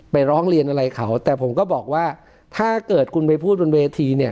ร้องเรียนอะไรเขาแต่ผมก็บอกว่าถ้าเกิดคุณไปพูดบนเวทีเนี่ย